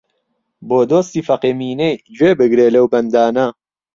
بۆ دۆستی فەقێ مینەی گوێ بگرێ لەو بەندانە